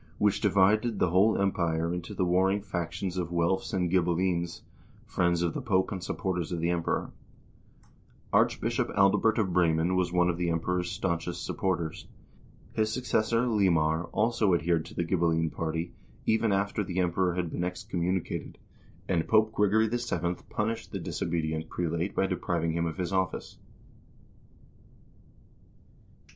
which divided the whole Empire into the warring factions of Welfs and Ghibellines, friends of the Pope and supporters of the Emperor. Archbishop Adalbert of Bremen was one of the Emperor's stanchest supporters. His successor, Liemar, also adhered to the Ghibelline party, even after the Emperor had been excommunicated, 1 T. F. Tout, The Empire and the Papacy, p. 126. HISTORY OF THE NORWEGIAN PEOPLE and Pope Gregory VII. punished the disobedient prelate by depriving him of his office.